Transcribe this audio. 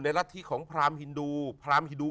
ในลักษณ์ของพราหมณ์ฮินดู